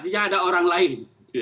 artinya ada orang lain